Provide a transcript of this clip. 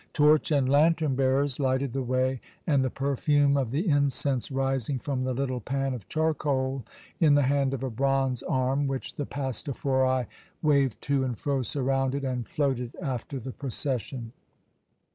Torch and lantern bearers lighted the way, and the perfume of the incense rising from the little pan of charcoal in the hand of a bronze arm, which the pastophori waved to and fro, surrounded and floated after the procession.